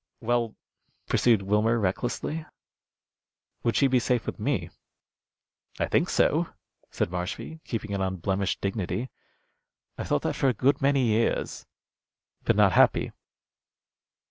"Well," pursued Wilmer, recklessly, "would she be safe with me?" "I think so," said Marshby, keeping an unblemished dignity. "I have thought that for a good many years." "But not happy?"